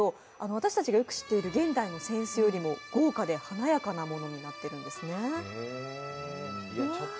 私達がよく知っている現代の扇子より豪華で華やかなものになっているんですね。